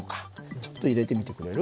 ちょっと入れてみてくれる？